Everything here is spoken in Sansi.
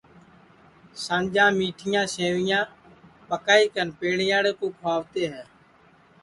سانجا میٹھیاں سیویاں پکائی کن پیڑیاڑے کُو کُھؤتے ہیں